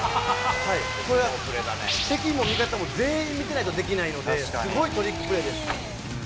これは、敵も味方も全員見てないとできないので、すごいトリックプレーです。